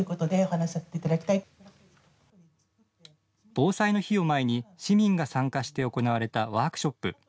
防災の日を前に市民が参加して行われたワークショップ。